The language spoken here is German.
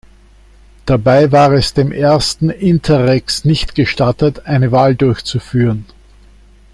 Dabei war es dem ersten Interrex nicht gestattet, eine Wahl durchzuführen.